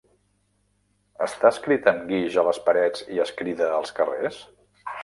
Està escrit amb guix a les parets i es crida als carrers?